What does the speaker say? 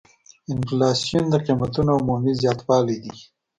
انفلاسیون د قیمتونو عمومي زیاتوالی دی.